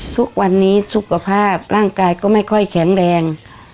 ทุกวันนี้สุขภาพร่างกายก็ไม่ค่อยแข็งแรง